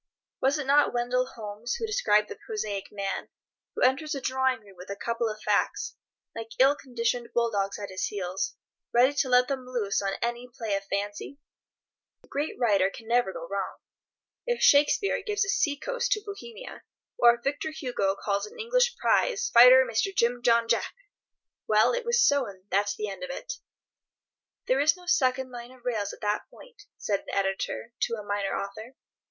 Was it not Wendell Holmes who described the prosaic man, who enters a drawing room with a couple of facts, like ill conditioned bull dogs at his heels, ready to let them loose on any play of fancy? The great writer can never go wrong. If Shakespeare gives a sea coast to Bohemia, or if Victor Hugo calls an English prize fighter Mr. Jim John Jack—well, it was so, and that's an end of it. "There is no second line of rails at that point," said an editor to a minor author.